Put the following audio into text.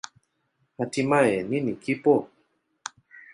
Hatimaye, nini kipo?